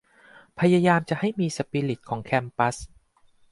พยายามจะให้มีสปิริตของแคมปัส